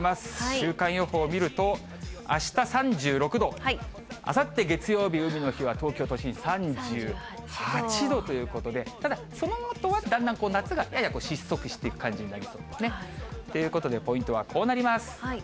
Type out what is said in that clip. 週間予報見ると、あした３６度、あさって月曜日、海の日は東京都心、３８度ということで、ただそのあとはだんだん夏がやや失速していく感じになりそうですね。ということで、ポイントはこうなります。